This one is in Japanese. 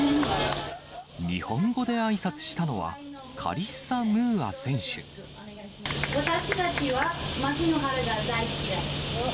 日本語であいさつしたのは、私たちは牧之原が大好きです。